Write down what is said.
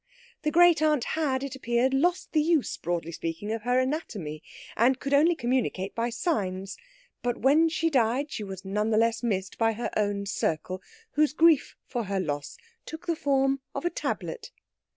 The great aunt had, it appeared, lost the use, broadly speaking, of her anatomy, and could only communicate by signs; but when she died she was none the less missed by her own circle, whose grief for her loss took the form of a tablet.